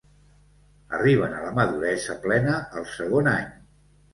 Arriben a la maduresa plena al segon any.